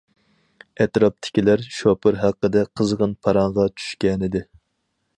ئەتراپتىكىلەر شوپۇر ھەققىدە قىزغىن پاراڭغا چۈشكەنىدى.